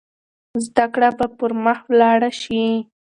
زده کړه به پرمخ ولاړه شي.